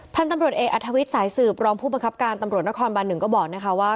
พันธุ์ตำรวจเอกอัธวิทย์สายสืบรองผู้บังคับการตำรวจนครบัน๑ก็บอกนะคะว่า